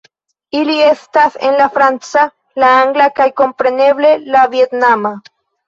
Ili estas en la franca, la angla kaj kompreneble la vjetnama